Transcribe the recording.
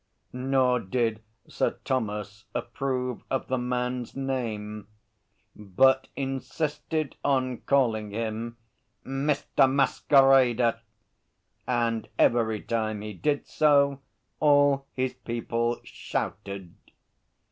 Nor did Sir Thomas approve of the man's name, but insisted on calling him 'Mr. Masquerader,' and every time he did so, all his people shouted.